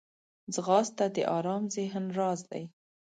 ځغاسته د ارام ذهن راز دی